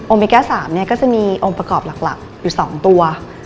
โอเมกา๓จะมีองค์ประกอบหลักอยู่๒ตัว